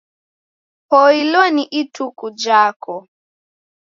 Poilwa ni ituku jako!